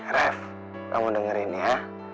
ref kamu dengerin ya